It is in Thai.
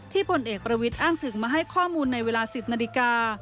ผลเอกประวิทย์อ้างถึงมาให้ข้อมูลในเวลา๑๐นาฬิกา